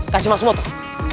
kasih masuk motor